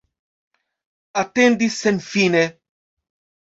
Atendis senfine.